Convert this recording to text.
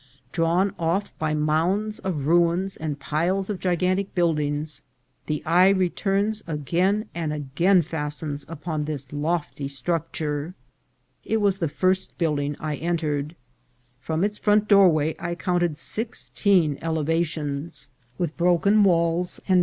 Drawn off by mounds of ruins and piles of gigantic buildings, the eye returns and again fastens upon this lofty structure. It was the first building I entered. From its front doorway I counted sixteen elevations, with broken walls and RUINS OF UXMAL.